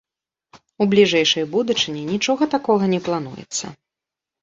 У бліжэйшай будучыні нічога такога не плануецца.